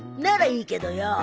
ならいいけどよ。